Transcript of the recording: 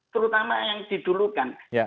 terutama yang didulukan ya